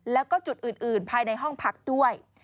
แล้วก็จุดอื่นภายในห้องพักด้วย